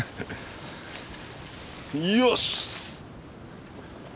よし！